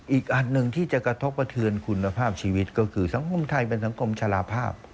อีกอันหนึ่งที่จะกระทบกระเทือนคุณภาพชีวิตก็คือสังคมไทยเป็นสังคมชะลาภาพ